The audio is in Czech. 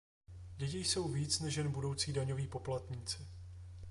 Děti jsou víc než jen budoucí daňoví poplatníci.